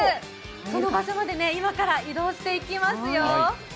その場所まで今から移動していきますよ。